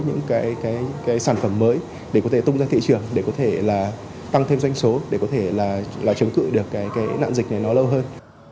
những cái sản phẩm mới để có thể tung ra thị trường để có thể là tăng thêm doanh số để có thể là chống cự được cái nạn dịch này nó lâu hơn